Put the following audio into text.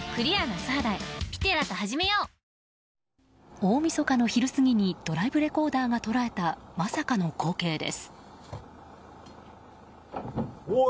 大みそかの昼過ぎにドライブレコーダーが捉えたまさかの光景です。